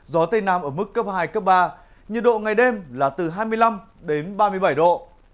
gió tây nam ở mức cấp hai cấp ba nhiệt độ ngày đêm là từ hai mươi năm đến ba mươi bảy độ